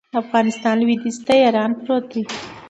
د افغانستان لویدیځ ته ایران پروت دی